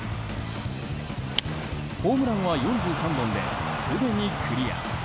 ホームランは４３本ですでにクリア。